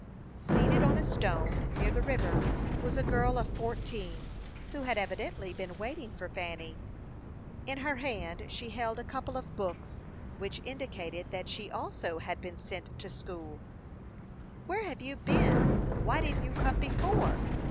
Seated on a stone, near the river, was a girl of fourteen, who had evidently been waiting for Fanny. In her hand she held a couple of books, which indicated that she also had been sent to school. "Where have you been? Why didn't you come before?"